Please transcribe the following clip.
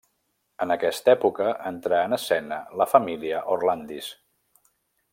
En aquesta època entrà en escena la família Orlandis.